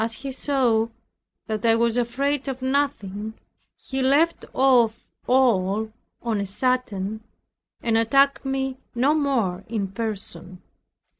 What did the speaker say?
As he saw that I was afraid of nothing, he left off all on a sudden, and attacked me no more in person.